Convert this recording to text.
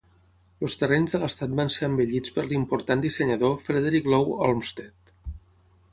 Els terrenys de l'estat van ser embellits per l'important dissenyador Frederick Law Olmsted.